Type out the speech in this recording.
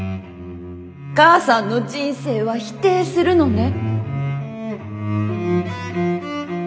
母さんの人生は否定するのね。